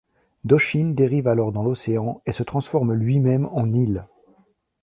Doshin dérive alors dans l'océan et se transforme lui-même en île.